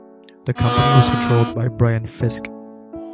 The company was controlled by Brian Fisk.